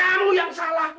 kamu yang salah